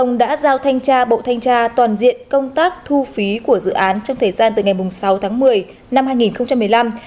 bộ công đã giao thanh tra bộ thanh tra toàn diện công tác thu phí của dự án trong thời gian từ ngày sáu tháng một mươi năm hai nghìn một mươi năm